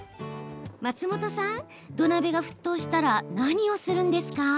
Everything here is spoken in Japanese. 松本さん、土鍋が沸騰したら何をするんですか？